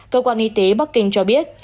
cơ quan y tế bắc kinh cho biết